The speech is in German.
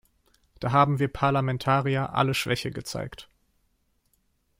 Da haben wir Parlamentarier alle Schwäche gezeigt.